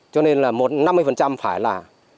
cho nên là một năm mươi phải là